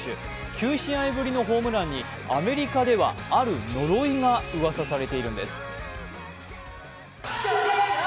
９試合ぶりのホームランにアメリカではある呪いがうわさされているんです。